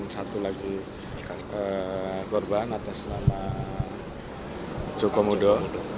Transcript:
dan satu lagi korban atas nama joko mudo